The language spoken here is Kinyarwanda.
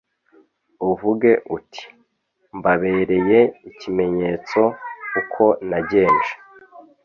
Uvuge uti Mbabereye ikimenyetso Uko nagenje